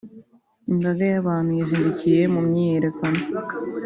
imbaga y’abantu yazindukiye mu myiyerekano